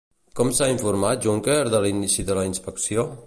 Com s'ha informat Juncker de l'inici de la inspecció?